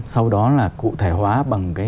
sau đó là cụ thể hóa bằng cái